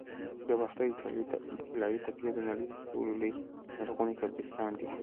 د باختر د طلایی تپې د نړۍ تر ټولو لوی لرغوني قبرستان دی